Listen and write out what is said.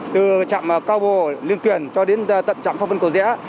từ trạm cao bồ liên tuyển cho đến tận trạm pháp vân cầu rẽ